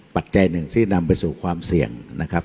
ปัจจัยหนึ่งที่นำไปสู่ความเสี่ยงนะครับ